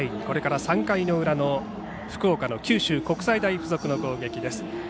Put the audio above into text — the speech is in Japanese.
これから、３回の裏の福岡の九州国際大付属の攻撃です。